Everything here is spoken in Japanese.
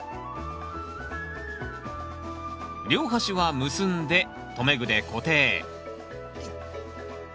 両端は結んで留め具で固定。